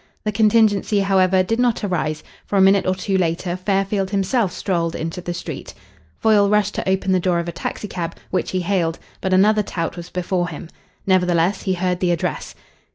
The contingency, however, did not arise, for a minute or two later Fairfield himself strolled into the street. Foyle rushed to open the door of a taxicab, which he hailed, but another tout was before him. Nevertheless, he heard the address.